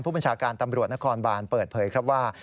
ผู้บัญชาการตำรวจนครบานเปิดเผยครับว่า